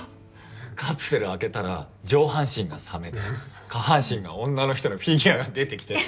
カプセル開けたら上半身がサメで下半身が女の人のフィギュアが出てきてさ。